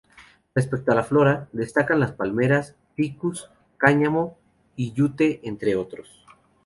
Respecto a la flora, destacan las palmeras, ficus, cáñamo y yute, entre otros.